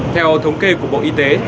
theo thống kê của bộ y tế